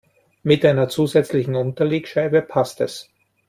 Mit einer zusätzlichen Unterlegscheibe passt es.